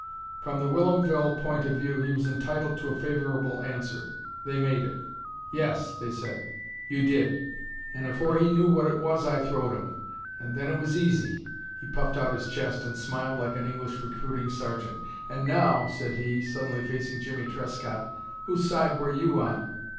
From the Whilomville point of view he was entitled to a favorable answer. They made it. "Yes," they said, "you did." "I run in," cried Willie, "an' I grabbed 'im, an' afore he knew what it was I throwed 'im. An' then it was easy." He puffed out his chest and smiled like an English recruiting sergeant. "An' now," said he, suddenly facing Jimmie Trescott, "whose side were you on?"